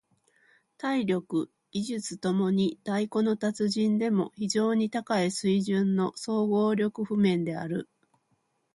体力・技術共に太鼓の達人でも非常に高い水準の総合力譜面である。